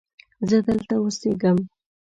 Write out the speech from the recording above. زه دلته اوسیږم